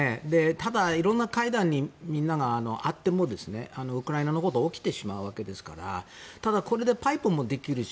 ただ、色々な会談にみんながあってもウクライナのことが起きてしまうわけですからただ、これでパイプもできるし